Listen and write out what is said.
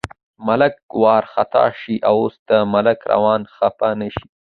ملک وارخطا شي، اوس دا ملک رانه خپه نه شي.